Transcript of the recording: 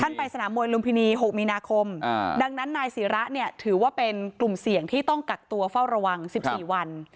ไปสนามมวยลุมพินี๖มีนาคมดังนั้นนายศิระเนี่ยถือว่าเป็นกลุ่มเสี่ยงที่ต้องกักตัวเฝ้าระวัง๑๔วัน